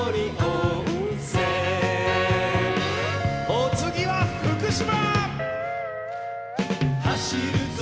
お次は福島！